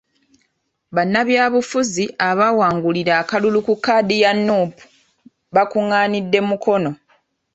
Bannabyabufuzi abaawangulira akalulu ku kkaadi ya Nuupu bakungaanidde mu Mukono .